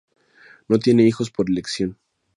No tiene hijos por elección.